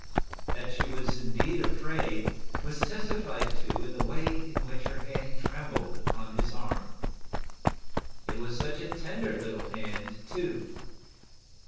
That she was indeed afraid was testified to by the way in which her hand trembled on his arm. It was such a tender little hand, too!